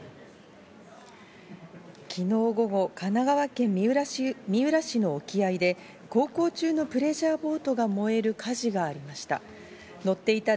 昨日午後、神奈川県三浦市の沖合で、航行中のプレジャーボートが燃える火事がありました。